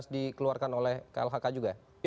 dua ribu lima belas dikeluarkan oleh klhk juga ya